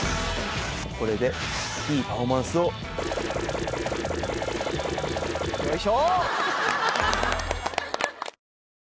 これでいいパフォーマンスをよいしょ！